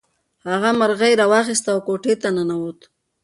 هغه مرغۍ راواخیسته او کوټې ته ننووت.